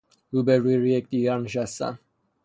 رو به رو یکدیگر نشستن